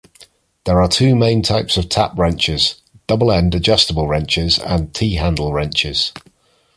There are two main types of tap wrenches: "double-end adjustable wrenches" and "T-handle wrenches".